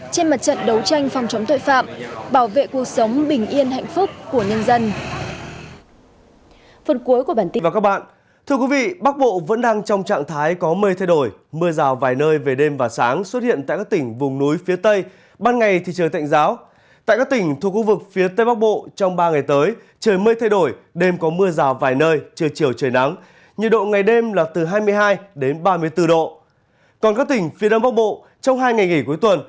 trên mặt trận đấu tranh phòng chống tội phạm bảo vệ cuộc sống bình yên hạnh phúc của nhân dân